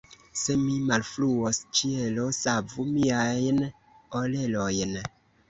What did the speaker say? Se mi malfruos, ĉielo savu miajn orelojn!